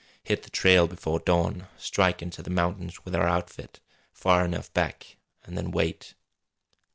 "Hit the trail before dawn! Strike into the mountains with our outfit far enough back and then wait!"